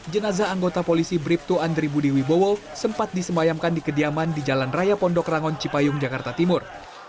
jenazah anggota polisi bribtu andri budi wibowo sempat disemayamkan di kediaman di jalan raya pondok rangon cipayung jakarta timur